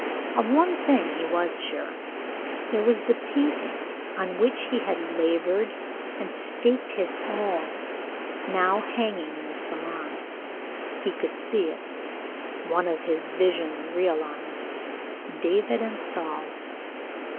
Of one thing he was sure. There was the painting on which he had labored and staked his all now hanging in the Salon. He could see it, one of his visions realized, David and Saul.